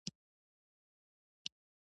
کاکه ګان د آزموینو څخه تیرېدل.